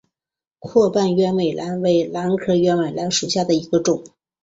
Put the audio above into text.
阔瓣鸢尾兰为兰科鸢尾兰属下的一个种。